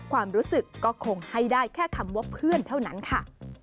ความรู้สึกก็คงให้ได้แค่คำว่าเพื่อนเท่านั้นค่ะ